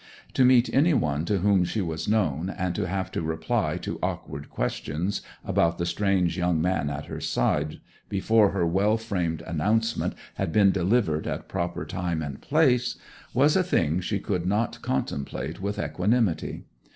To meet any one to whom she was known, and to have to reply to awkward questions about the strange young man at her side before her well framed announcement had been delivered at proper time and place, was a thing she could not contemplate with equanimity.